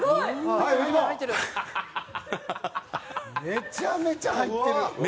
めちゃめちゃ入ってる！